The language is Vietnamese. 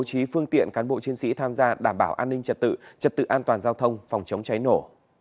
để phát triển cán bộ chiến sĩ tham gia đảm bảo an ninh trật tự trật tự an toàn giao thông phòng chống cháy nổ